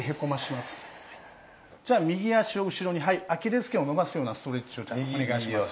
じゃあ右脚を後ろにアキレスけんを伸ばすようなストレッチをお願いします。